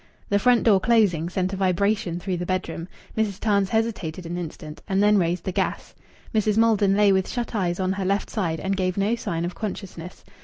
The front door closing sent a vibration through the bedroom. Mrs. Tarns hesitated an instant, and then raised the gas. Mrs. Maldon lay with shut eyes on her left side and gave no sign of consciousness.